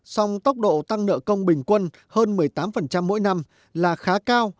song tốc độ tăng nợ công bình quân hơn một mươi tám mỗi năm là khá cao